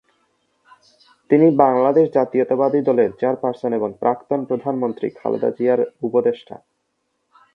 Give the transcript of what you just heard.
তিনি বাংলাদেশ জাতীয়তাবাদী দলের চেয়ারপারসন এবং প্রাক্তন প্রধানমন্ত্রী খালেদা জিয়ার উপদেষ্টা।